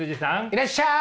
いらっしゃい！